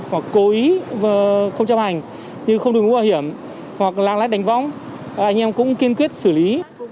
mà cố ý không chấp hành nhưng không nợ mũ bảo hiểm hoặc làng lát đánh vóng anh em cũng kiên quyết xử lý